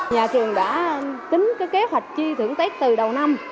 nhà trường đã tính kế hoạch chi thưởng tết từ đầu năm